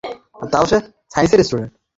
ফিনি, সে তোমাকে মারে।